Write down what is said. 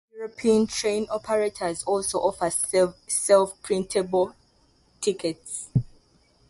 Several European train operators also offer self printable tickets.